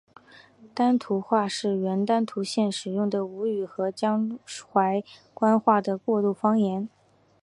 丹徒话是原丹徒县使用的吴语和江淮官话的过渡方言。